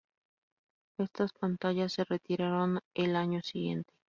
Estas pantallas se retiraron el año siguiente.